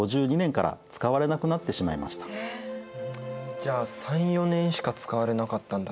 じゃあ３４年しか使われなかったんだね。